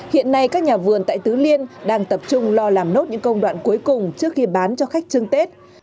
hiện nay các nhà vườn tại tứ liên đang tập trung lo làm nốt những công đoạn cuối cùng trước khi bán cho khách chương tết